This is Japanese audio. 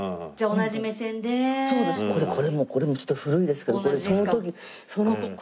これもこれもちょっと古いですけどこれその時その時の。